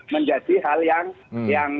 menjadi hal yang